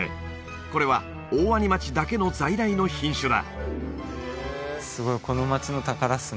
これは大鰐町だけの在来の品種だ